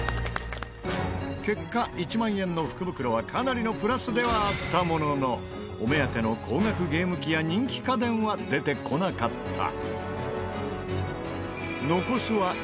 結果１万円の福袋はかなりのプラスではあったもののお目当ての高額ゲーム機や人気家電は出てこなかった。